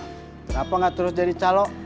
kenapa gak terus jadi calok